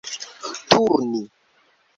turni